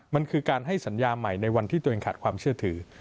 มันคือการให้สัญญาใหม่ในวันที่ตัวเองขาดความเชื่อถือ